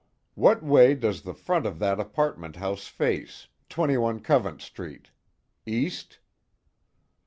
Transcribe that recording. What way does the front of that apartment house face, 21 Covent Street? East?"